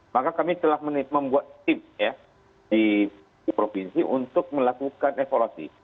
maka kami telah membuat tim ya di provinsi untuk melakukan evaluasi